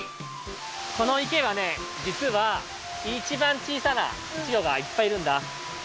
この池はねじつはいちばんちいさなちぎょがいっぱいいるんだ。